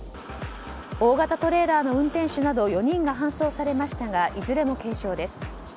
大型トレーラーの運転手など４人が搬送されましたがいずれも軽傷です。